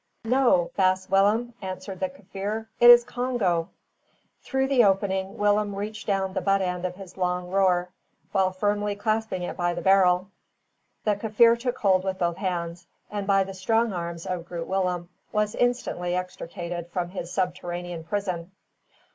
"No, Baas Willem," answered the Kaffir. "It is Congo." Through the opening, Willem reached down the butt end of his long roer, while firmly clasping it by the barrel. The Kaffir took hold with both hands, and, by the strong arms of Groot Willem, was instantly extricated from his subterranean prison.